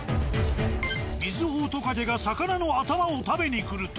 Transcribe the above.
ミズオオトカゲが魚の頭を食べにくると。